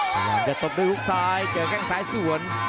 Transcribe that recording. ขอโดยฮุกซ่ายเกิดแกงของซ้ายส่วน